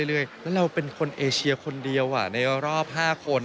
แล้วเราเป็นคนเอเชียคนเดียวในรอบ๕คน